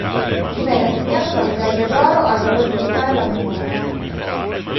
Gli venne assegnata una Medaglia d'oro al valor militare alla memoria.